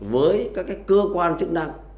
với các cơ quan chức năng